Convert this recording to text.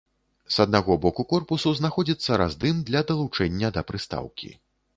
С аднаго боку корпусу знаходзіцца раздым для далучэння да прыстаўкі.